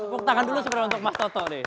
buktakan dulu sebenarnya untuk mas toto nih